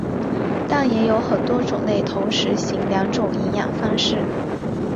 但也有很多种类同时行两种营养方式。